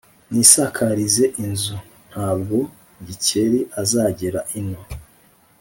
nisakarize inzu, ntabwo Gikeli azagera ino